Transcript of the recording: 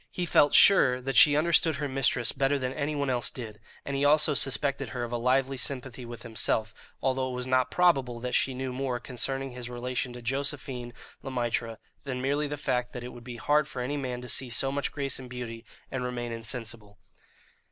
He felt sure that she understood her mistress better than anyone else did, and he also suspected her of a lively sympathy with himself, although it was not probable that she knew more concerning his relation to Josephine Le Maître than merely the fact that it would be hard for any man to see so much grace and beauty and remain insensible.